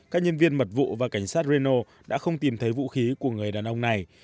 các nhân viên mật vụ và cảnh sát reno đã không tìm thấy vũ khí của người đàn ông này